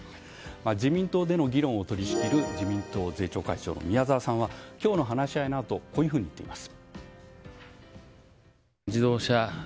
自民党での議論を取り仕切る自民党の税調会長の宮沢さんは今日の話し合いのあとこういうふうに言っています。